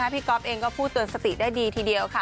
ก๊อฟเองก็พูดเตือนสติได้ดีทีเดียวค่ะ